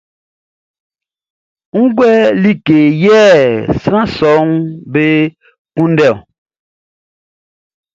Ngue ekun yɛ sran sɔʼm be kunndɛ ɔ?